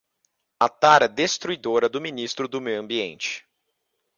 A tara destruidora do ministro do meio ambiente